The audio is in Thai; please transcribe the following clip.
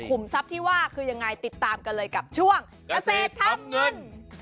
ทรัพย์ที่ว่าคือยังไงติดตามกันเลยกับช่วงเกษตรทำเงิน